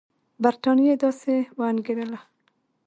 برټانیې داسې وانګېرله.